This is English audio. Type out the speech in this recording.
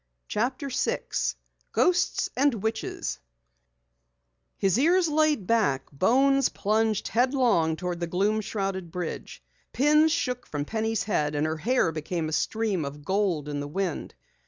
CHAPTER 6 GHOSTS AND WITCHES His ears laid back, Bones plunged headlong toward the gloom shrouded bridge. Pins shook from Penny's head, and her hair became a stream of gold in the wind.